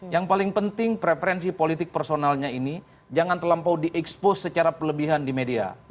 yang paling penting preferensi politik personalnya ini jangan terlampau di expose secara pelebihan di media